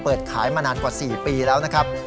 เปิดขายมานานกว่า๔ปีแล้วนะครับ